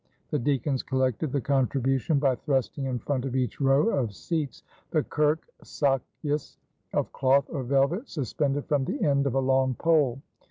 The deacons collected the contribution by thrusting in front of each row of seats the kerk sacjes of cloth or velvet suspended from the end of a long pole.